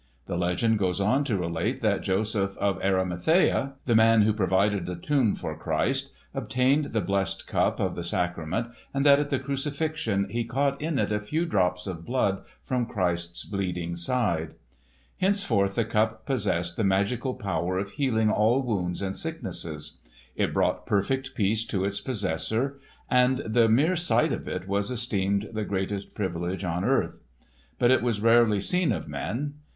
The legend goes on to relate that Joseph of Arimathea, the man who provided a tomb for Christ, obtained the blessed cup of the sacrament, and that at the crucifixion he caught in it a few drops of blood from Christ's bleeding side. Henceforth the Cup possessed the magical power of healing all wounds and sicknesses. It brought perfect peace to its possessor; and the mere sight of it was esteemed the greatest privilege on earth. But it was rarely seen of men.